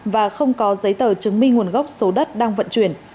và không có giấy tờ chứng minh nguồn gốc số đất đang vận chuyển